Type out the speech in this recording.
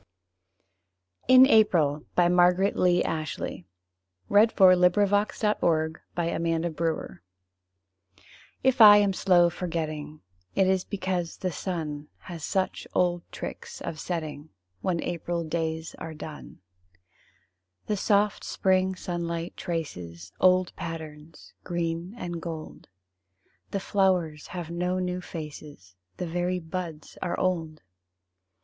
ts have lain a moment On that eternal breast. Smart Set Bliss Carman In April If I am slow forgetting, It is because the sun Has such old tricks of setting When April days are done. The soft spring sunlight traces Old patterns green and gold; The flowers have no new faces, The very buds are old!